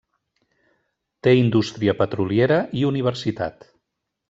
Té indústria petroliera i universitat.